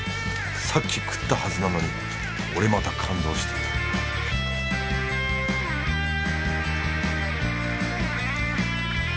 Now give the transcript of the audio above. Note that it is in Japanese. さっき食ったはずなのに俺また感動している